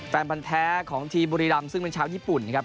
แฟนพันธ์แท้ของทีมบุรีรำซึ่งเป็นชาวญี่ปุ่นนะครับ